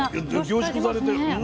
凝縮されてる。